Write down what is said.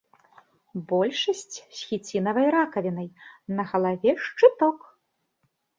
Большасць з хіцінавай ракавінай, на галаве шчыток.